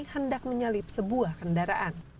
hendak menyalip sebuah kendaraan